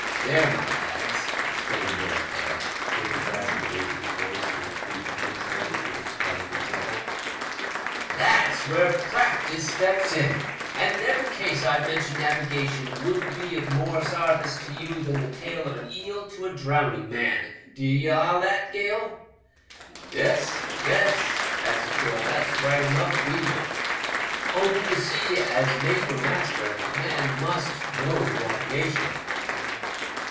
There, my lads," exclaimed the old fellow, who had been gradually raising his voice till it grew penetrating with its triumphant treble, "that's where practice steps in, and in every case I've mentioned navigation wouldn't be of more sarvice to you than the tail of an eel to a drowning man. D'ye allow that. Gale ?" "Yes, yes," answered Gale, "that's right enough. Weevil ; only, you see, as mate or master a man must know navigation."